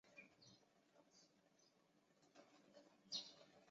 巨齿西南花楸为蔷薇科花楸属下的一个变种。